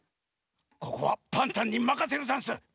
ここはパンタンにまかせるざんす！